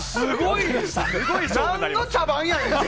何の茶番やねんって。